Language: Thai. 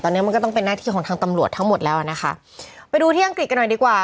ตอนนี้มันก็ต้องเป็นหน้าที่ของทางตำรวจทั้งหมดแล้วอ่ะนะคะไปดูที่อังกฤษกันหน่อยดีกว่า